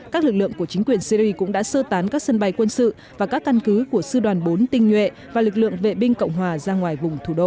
các lực lượng của chính quyền syri cũng đã sơ tán các sân bay quân sự và các căn cứ của sư đoàn bốn tinh nhuệ và lực lượng vệ binh cộng hòa ra ngoài vùng thủ đô